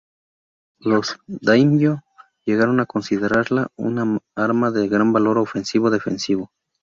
Los "daimyō" llegaron a considerarla un arma de gran valor ofensivo-defensivo.